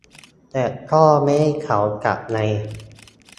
แต่ก็ไม่ให้เขากลับไง